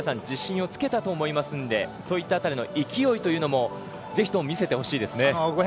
自信をつけたと思いますのでそういった辺りの勢いというのもぜひとも見せてほしいですね。